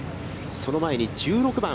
その前に１６番。